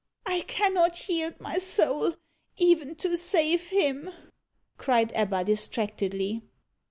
"I cannot yield my soul, even to save him," cried Ebba distractedly.